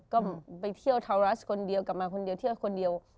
ก็ไปเที่ยวทาวรัสคนเดียวกลับมาคนเดียวเที่ยวคนเดียว